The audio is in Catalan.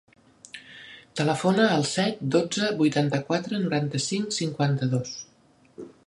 Telefona al set, dotze, vuitanta-quatre, noranta-cinc, cinquanta-dos.